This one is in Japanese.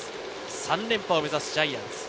３連覇を目指すジャイアンツ。